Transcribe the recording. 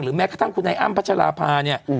แม้กระทั่งคุณไอ้อ้ำพัชราภาเนี่ย